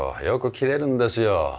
よく切れるんですよ。